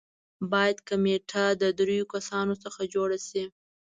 باید کمېټه د دریو کسانو څخه جوړه شي.